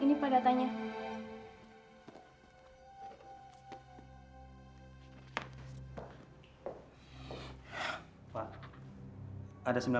ini pak datanya